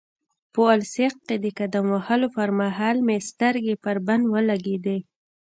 په السیق کې د قدم وهلو پرمهال مې سترګې پر بند ولګېدې.